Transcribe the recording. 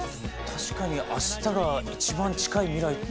確かに明日が一番近い未来って。